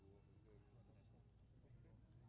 เจอมันที่ยังโทษพอดีแล้วมึงเรียน